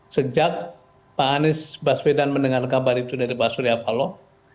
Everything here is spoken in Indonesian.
sejak pak anies baswedan mendengar kabar itu dari pak surya paloh